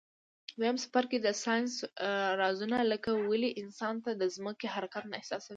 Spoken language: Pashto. دویم څپرکی د ساینس رازونه لکه ولي انسان د ځمکي حرکت نه احساسوي.